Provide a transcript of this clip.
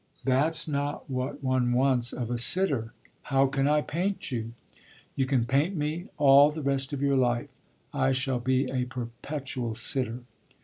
"That's not what one wants of a sitter. How can I paint you?" "You can paint me all the rest of your life. I shall be a perpetual sitter."